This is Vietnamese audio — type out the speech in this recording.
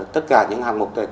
tất cả những hành mục này